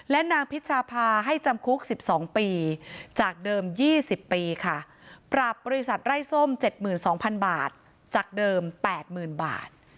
นางพิชาภาให้จำคุก๑๒ปีจากเดิม๒๐ปีค่ะปรับบริษัทไร้ส้ม๗๒๐๐๐บาทจากเดิม๘๐๐๐บาท